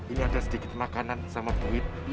ini ada sedikit makanan sama kuid